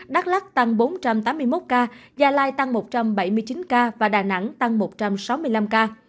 đắk lắc tăng bốn trăm tám mươi một ca gia lai tăng một trăm bảy mươi chín ca và đà nẵng tăng một trăm sáu mươi năm ca